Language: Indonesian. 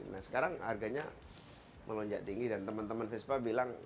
nah sekarang harganya melonjak tinggi dan teman teman vespa bilang